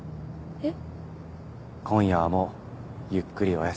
えっ？